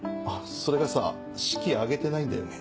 それがさ式挙げてないんだよね。